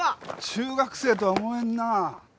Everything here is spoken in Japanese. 中学生とは思えんなあ。